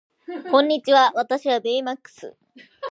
こんにちは私はベイマックス